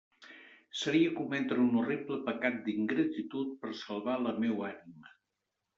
Seria cometre un horrible pecat d'ingratitud per salvar la meua ànima.